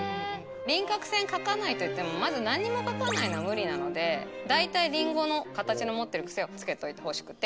輪郭線描かないと言ってもまずなんにも描かないのは無理なのでだいたいりんごの形の持ってる癖をつけといてほしくて。